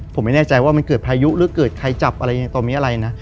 ผมไม่แน่ใจว่ามันเกิดพายุหรือเกิดใครจับอะไรอย่างนี้ตอนนี้อะไรนะ